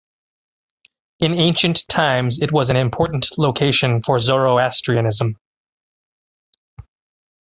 In ancient times it was an important location for Zoroastrianism.